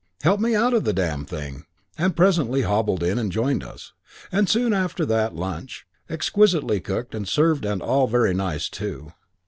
Help me out of the damn thing'; and presently hobbled in and joined us, and soon after that lunch, exquisitely cooked and served and all very nice, too.